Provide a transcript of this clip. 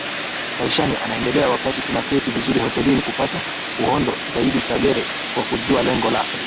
maishani anaendelea wakati tunaketi vizuri hotelini kupata uhondo zaidiKagere kwa kujua lengo la